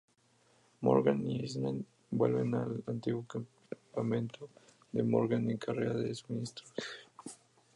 Morgan y Eastman vuelven al antiguo campamento de Morgan en carrera de suministros.